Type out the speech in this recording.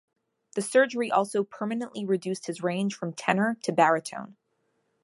The surgery also permanently reduced his range from tenor to baritone.